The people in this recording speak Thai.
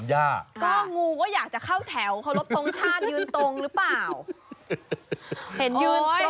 เห็นยืนตรงเลย